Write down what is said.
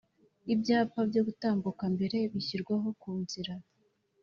Ibyapa byo gutambuka mbere bishyirwaho kunzira?